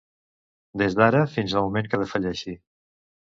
Des d'ara fins el moment que defalleixi.